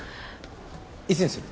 いつにする？